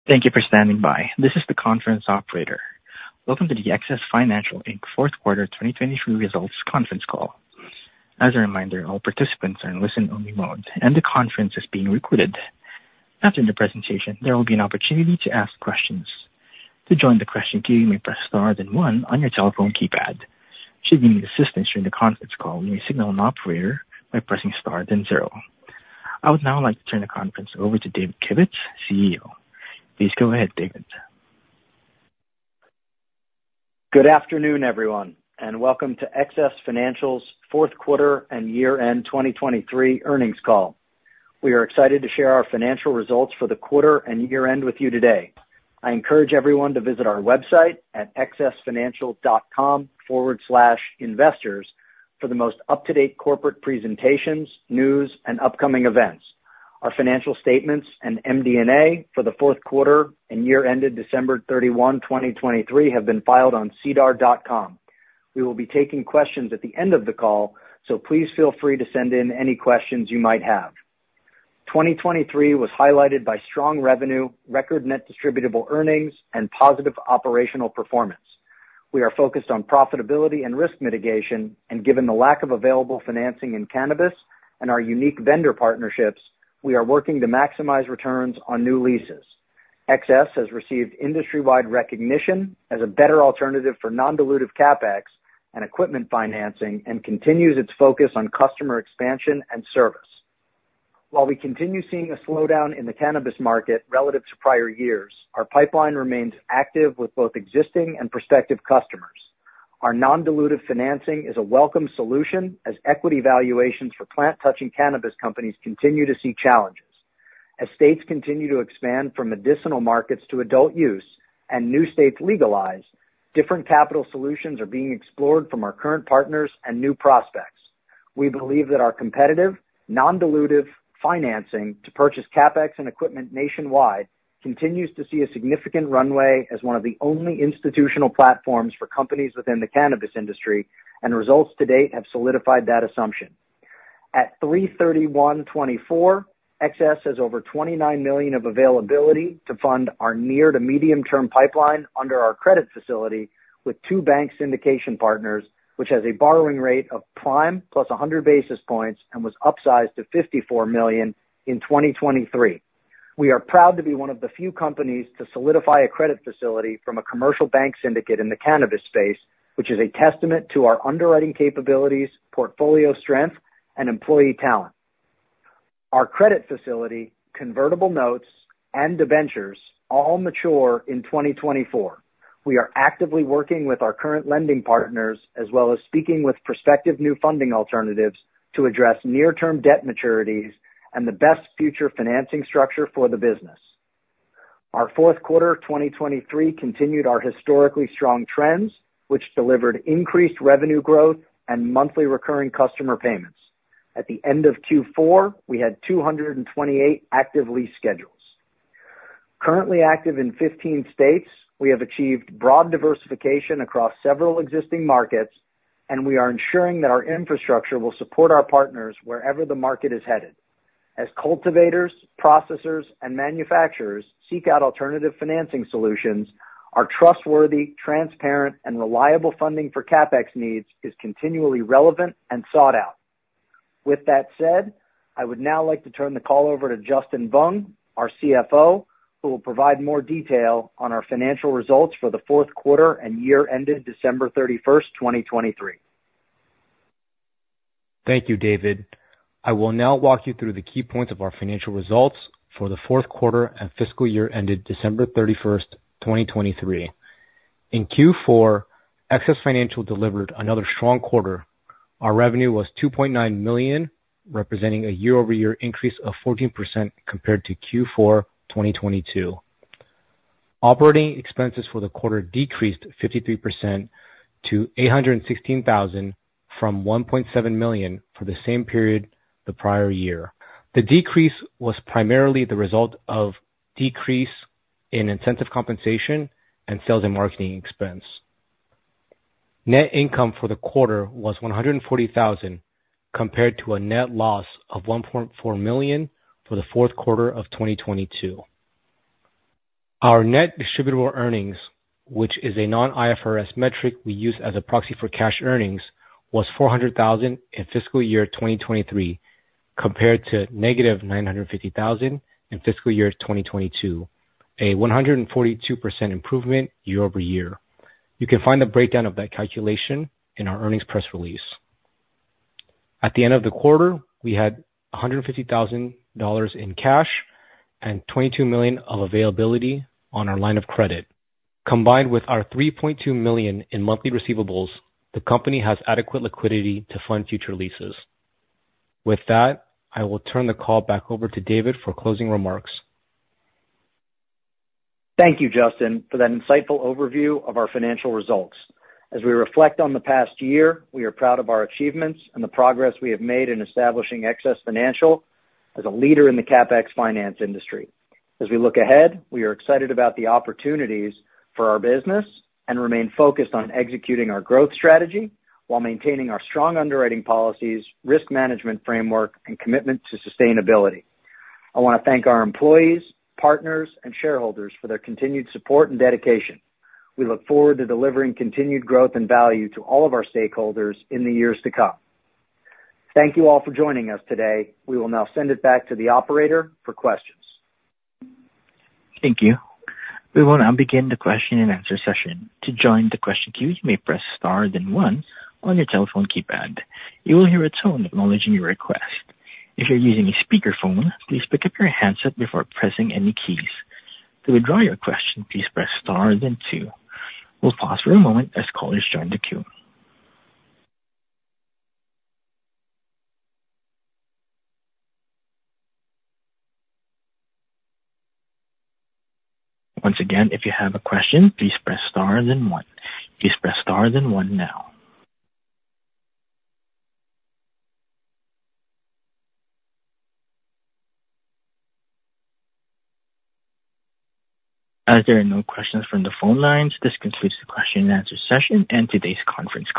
Thank you for standing by. This is the conference operator. Welcome to the XS Financial Inc. fourth quarter 2023 results conference call. As a reminder, all participants are in listen-only mode, and the conference is being recorded. After the presentation, there will be an opportunity to ask questions. To join the question queue, you may press Star, then one on your telephone keypad. Should you need assistance during the conference call, you may signal an operator by pressing Star, then zero. I would now like to turn the conference over to David Kivitz, CEO. Please go ahead, David. Good afternoon, everyone, and welcome to XS Financial's fourth quarter and year-end 2023 earnings call. We are excited to share our financial results for the quarter and year-end with you today. I encourage everyone to visit our website at xsfinancial.com/investors for the most up-to-date corporate presentations, news, and upcoming events. Our financial statements and MD&A for the fourth quarter and year ended December 31, 2023, have been filed on sedar.com. We will be taking questions at the end of the call, so please feel free to send in any questions you might have. 2023 was highlighted by strong revenue, record net distributable earnings, and positive operational performance. We are focused on profitability and risk mitigation, and given the lack of available financing in cannabis and our unique vendor partnerships, we are working to maximize returns on new leases. XS has received industry-wide recognition as a better alternative for non-dilutive CapEx and equipment financing and continues its focus on customer expansion and service. While we continue seeing a slowdown in the cannabis market relative to prior years, our pipeline remains active with both existing and prospective customers. Our non-dilutive financing is a welcome solution as equity valuations for plant-touching cannabis companies continue to see challenges. As states continue to expand from medicinal markets to adult use and new states legalize, different capital solutions are being explored from our current partners and new prospects. We believe that our competitive, non-dilutive financing to purchase CapEx and equipment nationwide continues to see a significant runway as one of the only institutional platforms for companies within the cannabis industry, and results to date have solidified that assumption. At March 31, 2024, XS has over $29 million of availability to fund our near to medium-term pipeline under our credit facility with two bank syndication partners, which has a borrowing rate of prime plus 100 basis points and was upsized to $54 million in 2023. We are proud to be one of the few companies to solidify a credit facility from a commercial bank syndicate in the cannabis space, which is a testament to our underwriting capabilities, portfolio strength, and employee talent. Our credit facility, convertible notes, and debentures all mature in 2024. We are actively working with our current lending partners, as well as speaking with prospective new funding alternatives to address near-term debt maturities and the best future financing structure for the business. Our fourth quarter, 2023, continued our historically strong trends, which delivered increased revenue growth and monthly recurring customer payments. At the end of Q4, we had 228 active lease schedules. Currently active in 15 states, we have achieved broad diversification across several existing markets, and we are ensuring that our infrastructure will support our partners wherever the market is headed. As cultivators, processors, and manufacturers seek out alternative financing solutions, our trustworthy, transparent, and reliable funding for CapEx needs is continually relevant and sought out. With that said, I would now like to turn the call over to Justin Vuong, our CFO, who will provide more detail on our financial results for the fourth quarter and year-ended December 31, 2023. Thank you, David. I will now walk you through the key points of our financial results for the fourth quarter and fiscal year ended December 31, 2023. In Q4, XS Financial delivered another strong quarter. Our revenue was $2.9 million, representing a year-over-year increase of 14% compared to Q4 2022. Operating expenses for the quarter decreased 53% to $816,000 from $1.7 million for the same period the prior year. The decrease was primarily the result of decrease in incentive compensation and sales and marketing expense. Net income for the quarter was $140,000, compared to a net loss of $1.4 million for the fourth quarter of 2022. Our Net Distributable Earnings, which is a non-IFRS metric we use as a proxy for cash earnings, was $400,000 in fiscal year 2023, compared to negative $950,000 in fiscal year 2022, a 142% improvement year-over-year. You can find a breakdown of that calculation in our earnings press release. At the end of the quarter, we had $150,000 in cash and $22 million of availability on our line of credit. Combined with our $3.2 million in monthly receivables, the company has adequate liquidity to fund future leases. With that, I will turn the call back over to David for closing remarks. Thank you, Justin, for that insightful overview of our financial results. As we reflect on the past year, we are proud of our achievements and the progress we have made in establishing XS Financial as a leader in the CapEx finance industry. As we look ahead, we are excited about the opportunities for our business and remain focused on executing our growth strategy while maintaining our strong underwriting policies, risk management framework, and commitment to sustainability. I want to thank our employees, partners, and shareholders for their continued support and dedication. We look forward to delivering continued growth and value to all of our stakeholders in the years to come. Thank you all for joining us today. We will now send it back to the operator for questions. Thank you. We will now begin the question-and-answer session. To join the question queue, you may press Star, then one on your telephone keypad. You will hear a tone acknowledging your request. If you're using a speakerphone, please pick up your handset before pressing any keys. To withdraw your question, please press Star, then two. We'll pause for a moment as callers join the queue. Once again, if you have a question, please press Star, then one. Please press Star, then one now. As there are no questions from the phone lines, this concludes the question and answer session and today's conference.